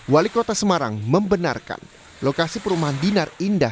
wali kota semarang membenarkan lokasi perumahan dinar indah